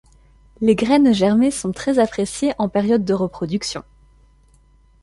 Les graines germées sont très appréciée en période de reproduction.